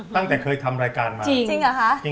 ตั้งแต่เคยทำรายการมา